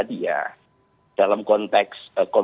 jadi misalnya soal definisi kesehatan